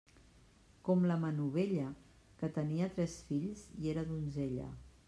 Com la Manovella, que tenia tres fills i era donzella.